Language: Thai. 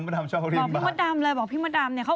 บอกพี่หมดดำอะไรบอกพี่หมดดำเนี่ย